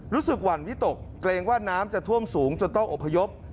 หวั่นวิตกเกรงว่าน้ำจะท่วมสูงจนต้องอบพยพ